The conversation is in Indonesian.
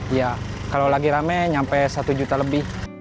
iya kalau lagi rame sampai rp satu juta lebih